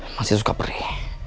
masih suka perih